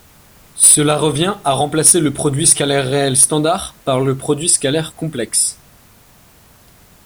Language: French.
Cela revient à remplacer le produit scalaire réel standard par le produit scalaire complexe.